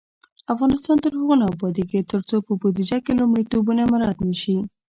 افغانستان تر هغو نه ابادیږي، ترڅو په بودیجه کې لومړیتوبونه مراعت نشي.